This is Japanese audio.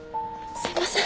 すいません。